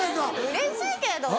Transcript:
うれしいけど。